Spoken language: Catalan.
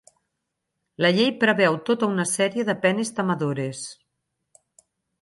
La llei preveu tota una sèrie de penes temedores.